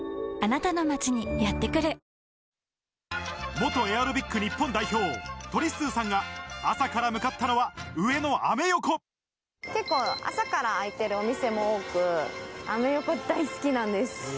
元エアロビック日本代表・とりっすーさんが、朝から向かったのは結構、朝から開いてるお店も多く、アメ横大好きなんです。